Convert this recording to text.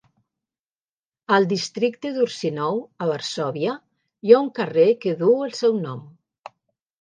Al districte d'Ursynow, a Varsòvia, hi ha un carrer que duu el seu nom.